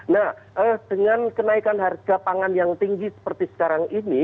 nah dengan kenaikan harga pangan yang tinggi seperti sekarang ini